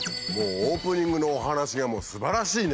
オープニングのお話がすばらしいね。